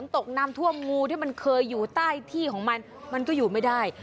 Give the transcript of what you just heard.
ตกน้ำท่วมงูที่มันเคยอยู่ใต้ที่ของมันมันก็อยู่ไม่ได้